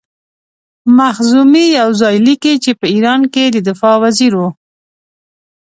مخزومي یو ځای لیکي چې په ایران کې د دفاع وزیر وو.